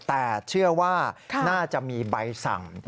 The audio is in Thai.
แต่เชื่อว่าน่าจะมีใบสั่ง